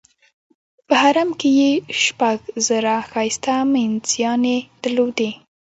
په حرم کې یې شپږ زره ښایسته مینځیاني درلودې.